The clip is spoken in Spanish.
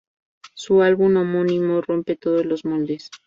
Su álbum homónimo rompe todos los moldes.